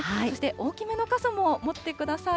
そして大きめの傘も持ってください。